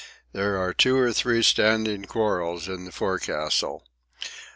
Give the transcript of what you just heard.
There are two or three standing quarrels in the forecastle.